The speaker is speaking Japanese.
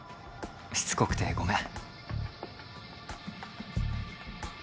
しつこくてごめん」。